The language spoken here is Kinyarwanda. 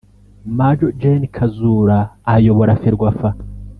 Maj Gen Kazura ayobora Ferwafa